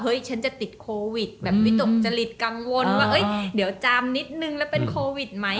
ฉันจะติดโควิดแบบวิตกจริตกังวลว่าเดี๋ยวจามนิดนึงแล้วเป็นโควิดไหม